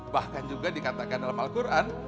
bahkan juga dikatakan dalam al quran